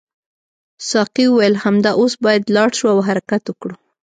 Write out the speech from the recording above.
ساقي وویل همدا اوس باید لاړ شو او حرکت وکړو.